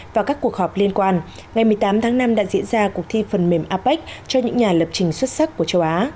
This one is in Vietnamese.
và các cuộc họp liên quan ngày một mươi tám tháng năm đã diễn ra cuộc thi phần mềm apec cho những nhà lập trình xuất sắc của châu á